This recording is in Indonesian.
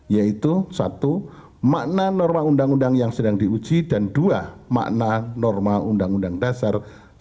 yaitu satu makna norma undang undang yang sedang diuji dan dua makna norma undang undang dasar